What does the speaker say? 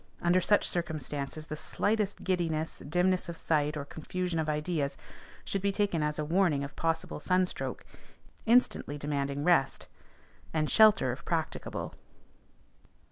Under such circumstances the slightest giddiness, dimness of sight, or confusion of ideas, should be taken as a warning of possible sunstroke, instantly demanding rest, and shelter if practicable.